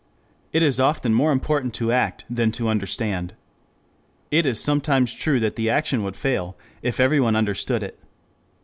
It is often more important to act than to understand. It is sometimes true that the action would fail if everyone understood it.